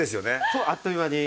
そうあっという間に。